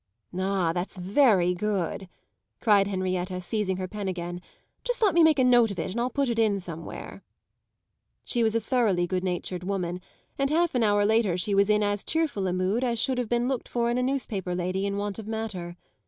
"Ah, that's very good!" cried Henrietta, seizing her pen again. "Just let me make a note of it and I'll put it in somewhere." she was a thoroughly good natured woman, and half an hour later she was in as cheerful a mood as should have been looked for in a newspaper lady in want of matter.